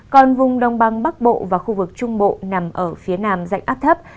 còn vùng đông băng bắc bộ và khu vực trung bộ nằm ở phía nam dạnh áp thấp